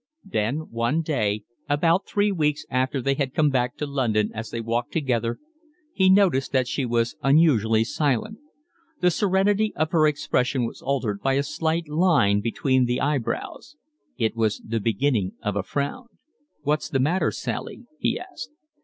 Then, one day, about three weeks after they had come back to London as they walked together, he noticed that she was unusually silent. The serenity of her expression was altered by a slight line between the eyebrows: it was the beginning of a frown. "What's the matter, Sally?" he asked.